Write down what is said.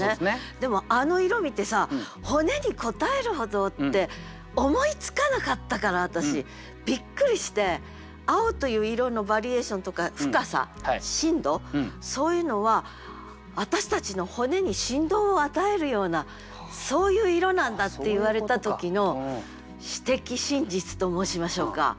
でもあの色見てさ「骨にこたへるほど」って思いつかなかったから私びっくりして青という色のバリエーションとか深さ深度そういうのは私たちの骨に振動を与えるようなそういう色なんだって言われた時の詩的真実と申しましょうか。